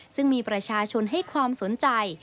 ซึ่งมีประชาชนให้ความสนใจ